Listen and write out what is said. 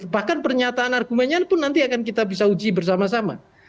bahkan pernyataan argumennya pun nanti akan kita bisa uji bersama sama